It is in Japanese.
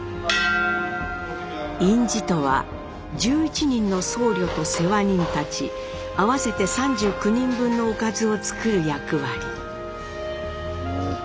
院士とは１１人の僧侶と世話人たち合わせて３９人分のおかずを作る役割。